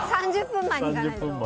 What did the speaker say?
３０分前に行かないと。